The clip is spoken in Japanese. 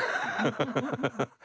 ハハハハ。